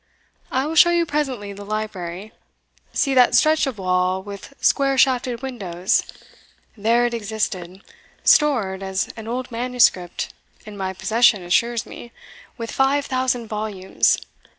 I will show you presently the library; see that stretch of wall with square shafted windows there it existed, stored, as an old manuscript in my possession assures me, with five thousand volumes.